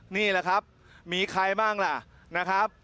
นี่แหละครับมีใครบ้างล่ะ